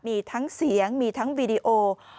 มีทั้งเสียงมีทั้งวีดีโอ